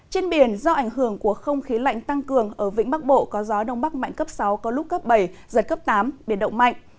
trên biển do ảnh hưởng của không khí lạnh tăng cường ở vĩnh bắc bộ có gió đông bắc mạnh cấp sáu có lúc cấp bảy giật cấp tám biển động mạnh